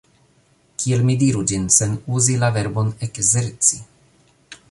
Kiel mi diru ĝin sen uzi la verbon "ekzerci"?